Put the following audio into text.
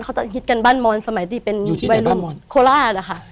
เขาจะฮิตกันบ้านมอนสมัยที่เป็นวัยรุ่นโคราชอะค่ะ